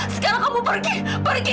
sekarang kamu pergi pergi dari rumah saya